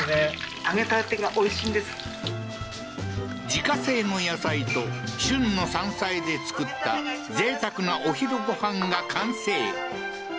自家製の野菜と、旬の山菜で作ったぜいたくなお昼ごはんが完成！